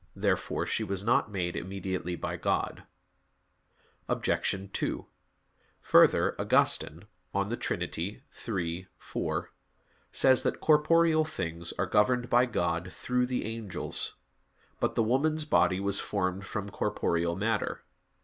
Therefore she was not made immediately by God. Obj. 2: Further, Augustine (De Trin. iii, 4) says that corporeal things are governed by God through the angels. But the woman's body was formed from corporeal matter.